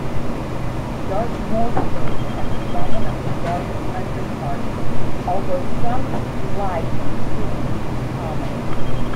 Dark morph birds have predominantly dark under parts, although some light streaking is common.